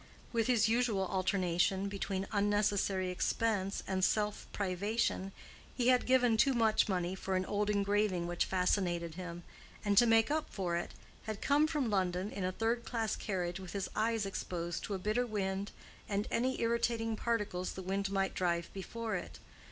With his usual alternation between unnecessary expense and self privation, he had given too much money for an old engraving which fascinated him, and to make up for it, had come from London in a third class carriage with his eyes exposed to a bitter wind and any irritating particles the wind might drive before it.